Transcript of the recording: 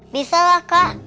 bisa lah kak